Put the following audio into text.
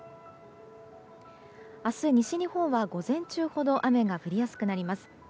明日、西日本は午前中ほど雨が降りやすくなります。